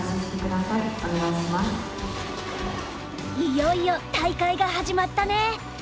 いよいよ大会が始まったね！